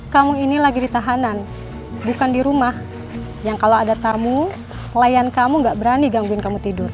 kamu ini lagi ditahanan bukan di rumah yang kalau ada tamu layan kamu gak berani gangguin kamu tidur